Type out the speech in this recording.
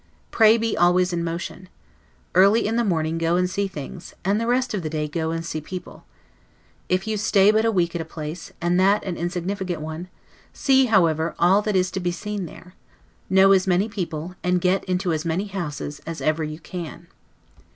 Pray be always in motion. Early in the morning go and see things; and the rest of the day go and see people. If you stay but a week at a place, and that an insignificant one, see, however, all that is to be seen there; know as many people, and get into as many houses, as ever you can.